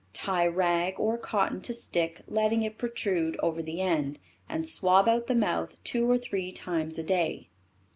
Tie rag or cotton to stick, letting it protrude over the end, and swab out the mouth two or three times a day."